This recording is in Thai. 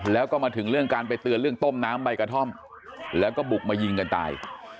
แล้วก็มาถึงเรื่องการไปเตือนเรื่องต้มน้ำใบกระท่อมแล้วก็บุกมายิงกันตาย